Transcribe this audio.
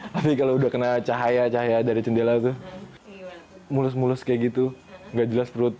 tapi kalau udah kena cahaya cahaya dari cendela itu mulus mulus kayak gitu